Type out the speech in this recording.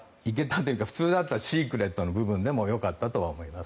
というか普通はシークレットの部分でもよかったと思います。